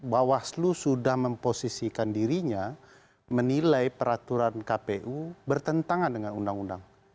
bawaslu sudah memposisikan dirinya menilai peraturan kpu bertentangan dengan undang undang